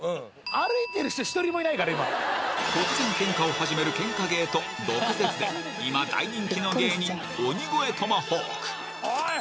歩いてる人１人もいないから今突然喧嘩を始める喧嘩芸と毒舌で今大人気の芸人鬼越トマホークおいおい！